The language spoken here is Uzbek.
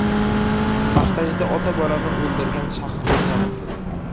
Paxtachida ota-bolani o‘ldirgan shaxs qo‘lga olindi